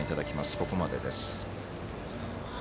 ここまでです。